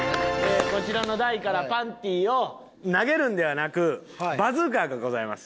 こちらの台からパンティを投げるんではなくバズーカがございます。